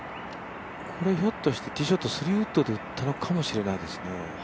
これひょっとして、３ウッドで打ったのかもしれないですね。